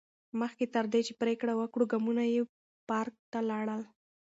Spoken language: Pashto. مخکې تر دې چې پرېکړه وکړي، ګامونه یې پارک ته لاړل.